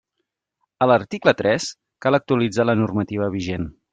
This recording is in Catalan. A l'article tres, cal actualitzar la normativa vigent.